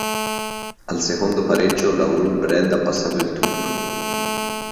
Al secondo pareggio l'Aurul Brad ha passato il turno.